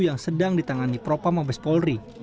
yang sedang ditangani propa mabes polri